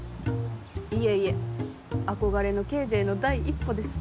いえいえ憧れの刑事への第一歩です。